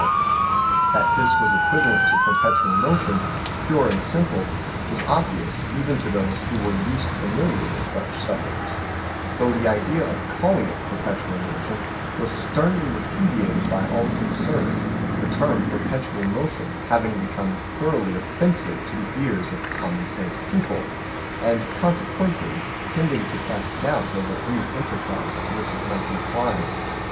66 THE SEVEN FOLLIES OF SCIENCE That this was equivalent to perpetual motion, pure and simple, was obvious even to those who were least familiar with such subjects, though the idea of calling it perpetual motion was sternly repudiated by all concerned the term " perpetual motion" having become thoroughly offensive to the ears of common sense people, and consequently tending to cast doubt over any enterprise to which it might be applied.